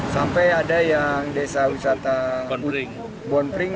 sampai ada yang desa wisata bonpring